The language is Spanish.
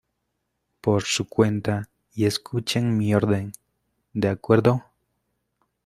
por su cuenta y escuchen mi orden, ¿ de acuerdo?